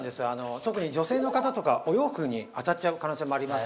特に女性の方とかお洋服に当たっちゃう可能性もあります